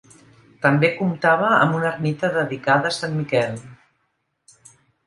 També comptava amb una ermita dedicada a Sant Miquel.